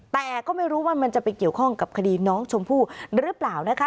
แต่ก็ไม่รู้ว่ามันจะไปเกี่ยวข้องกับคดีน้องชมพู่หรือเปล่านะคะ